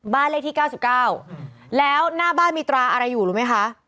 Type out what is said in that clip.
บ้านเลขที่๙๙แล้วหน้าบ้านมีตราอะไรอยู่รู้ไหมคะ